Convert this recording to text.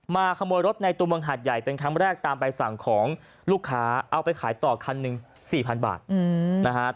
ขโมยรถในตัวเมืองหาดใหญ่เป็นครั้งแรกตามใบสั่งของลูกค้าเอาไปขายต่อคันหนึ่ง๔๐๐๐บาทนะฮะ